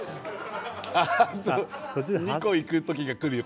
２個いくときが来るよ